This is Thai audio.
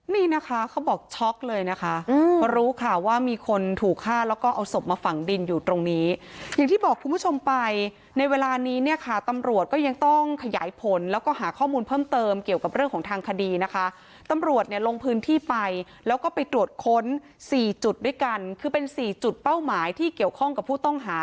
นี่นะคะเขาบอกช็อกเลยนะคะเพราะรู้ข่าวว่ามีคนถูกฆ่าแล้วก็เอาศพมาฝังดินอยู่ตรงนี้อย่างที่บอกคุณผู้ชมไปในเวลานี้เนี่ยค่ะตำรวจก็ยังต้องขยายผลแล้วก็หาข้อมูลเพิ่มเติมเกี่ยวกับเรื่องของทางคดีนะคะตำรวจเนี่ยลงพื้นที่ไปแล้วก็ไปตรวจค้นสี่จุดด้วยกันคือเป็นสี่จุดเป้าหมายที่เกี่ยวข้องกับผู้ต้องหา